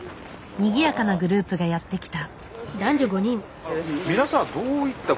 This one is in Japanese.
にぎやかなグループがやって来た。